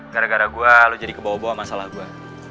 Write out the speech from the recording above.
gara gara gue lo jadi kebawa bawa masalah gue